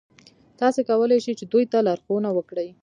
تاسې کولای شئ چې دوی ته لارښوونه وکړئ.